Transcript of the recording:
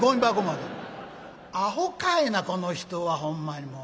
「アホかいなこの人はほんまにもう。